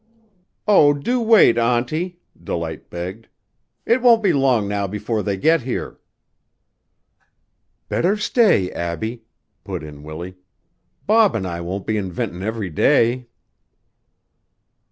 "Oh, do wait, Auntie!" Delight begged. "It won't be long now before they get here." "Better stay, Abbie," put in Willie. "Bob an' I won't be inventin' every day."